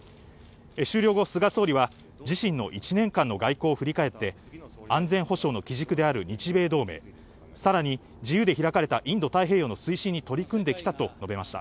終了後、菅総理は自身の１年間の外交を振り返って、安全保障の基軸である日米同盟、さらに自由で開かれたインド太平洋の推進に取り組んできたと述べました。